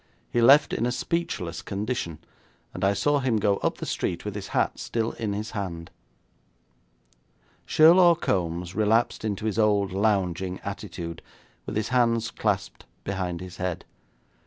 He left in a speechless condition, and I saw him go up the street with his hat still in his hand. Sherlaw Kombs relapsed into his old lounging attitude, with his hands clasped behind his head.